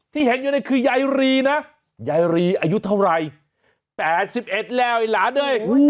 ที่เห็นคือยายรีนะยายรีอายุเท่าไร๘๑แล้วไอ้หลานเลย